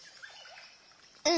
うん。